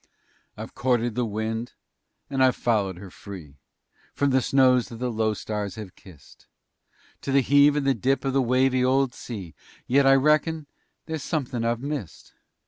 I've courted the wind and I've followed her free From the snows that the low stars have kissed To the heave and the dip of the wavy old sea, Yet I reckon there's somethin' I've missed.